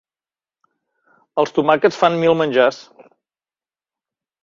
Els tomàquets fan mil menjars.